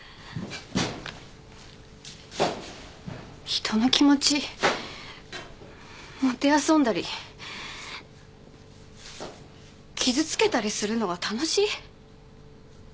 人の気持ちもてあそんだり傷つけたりするのが楽しい？